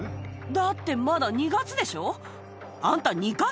だってまだ２月でしょ？